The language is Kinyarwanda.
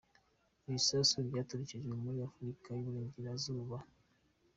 Ibisasu byaturikijwe muri afurika yuburenjyera zuba